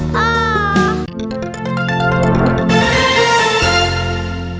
แต่น้องพ่อข้าวมาพบพ่อ